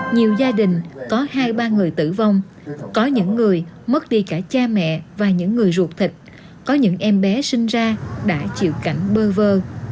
nhiều gia đình có hai ba người tử vong có những người mất đi cả cha mẹ và những người ruột thịt có những em bé sinh ra đã chịu cảnh bơ vơ